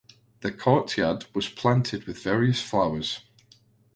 The courtyard was planted with various flowers.